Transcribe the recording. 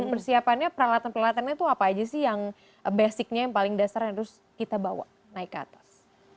persiapannya peralatan peralatannya itu apa aja sih yang basicnya yang paling dasar yang harus kita bawa naik ke atas